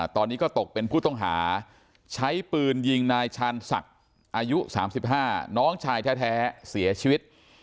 ตอนนี้ก็ตกเป็นผู้ต้องหาใช้ปืนยิงนายชาญศักดิ์อายุ๓๕น้องชายแท้เสียชีวิต